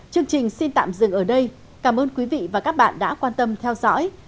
chương trình xin tạm dừng ở đây cảm ơn quý vị và các bạn đã quan tâm theo dõi